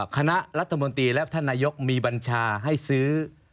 คณะรัฐมนตรีและท่านนายกมีบัญชาให้ซื้อ